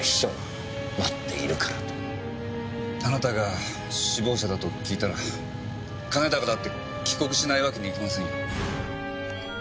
あなたが首謀者だと聞いたら兼高だって帰国しないわけにいきませんよ。